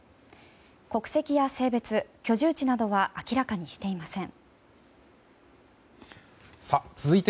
国籍や性別、居住地などは明らかにしていません。